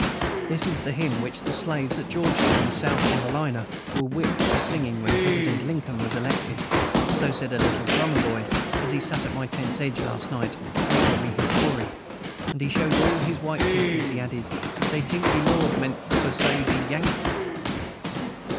This is the hymn which the slaves at Georgetown, South Carolina, were whipped for singing when President Lincoln was elected. So said a little drummer boy, as he sat at my tent's edge last night and told me his story; and he showed all his white teeth as he added, "Dey tink 'de Lord' meant for say de Yankees."